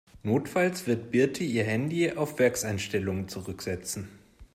Notfalls wird Birte ihr Handy auf Werkseinstellungen zurücksetzen.